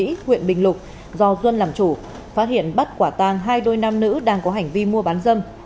công an huyện bình lục do duân làm chủ phát hiện bắt quả tàng hai đôi nam nữ đang có hành vi mua bán dân